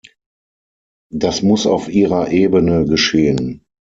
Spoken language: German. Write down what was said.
Das muss auf Ihrer Ebene geschehen.